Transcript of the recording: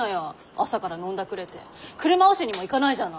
朝から飲んだくれて車押しにも行かないじゃない！